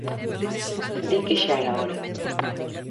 Di que xa era hora.